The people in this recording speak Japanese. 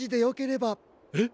えっ？